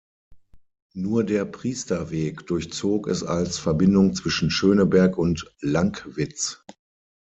Nur der Priesterweg durchzog es als Verbindung zwischen Schöneberg und Lankwitz.